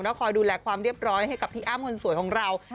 ก็คอยดูแลความเรียบร้อยให้กับพี่อ้ำคนสวยของเรา